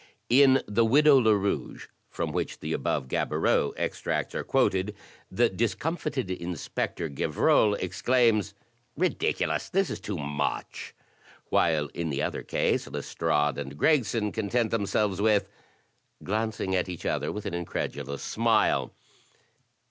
In *'The Widow Lerouge," from which the above Gaboriau extracts are quoted, the discomfited Inspector, Gevrol, ex claims, ''Ridiculous! this is too much!" Io6 THE TECHNIQUE OF THE MYSTERY STORY While in the other case, Lestrade and Gregson content themselves with Glancing at each other with an incredulous smile.